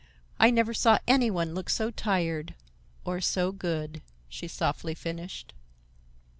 I never saw any one look so tired,—or so good," she softly finished.